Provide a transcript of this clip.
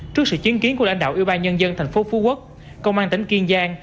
trước sự chiến kiến của lãnh đạo yêu bài nhân dân thành phố phú quốc công an tỉnh kiên giang